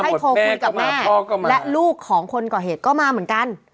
โทรคุยกับแม่และลูกของคนก่อเหตุก็มาเหมือนกัน